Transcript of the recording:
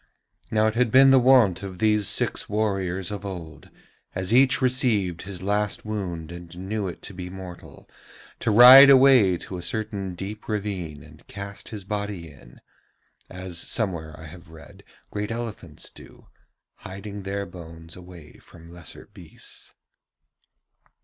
Now it had been the wont of these six warriors of old, as each received his last wound and knew it to be mortal, to ride away to a certain deep ravine and cast his body in, as somewhere I have read great elephants do, hiding their bones away from lesser beasts.